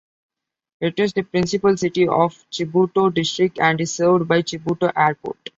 It is the principal city of Chibuto District and is served by Chibuto Airport.